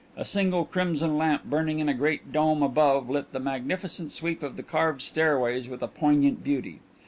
A single crimson lamp burning in a great dome above lit the magnificent sweep of the carved stairways with a poignant beauty.